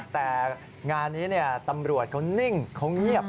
แต่งานนี้ตำรวจเขานิ่งเขาเงียบ